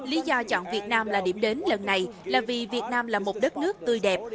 lý do chọn việt nam là điểm đến lần này là vì việt nam là một đất nước tươi đẹp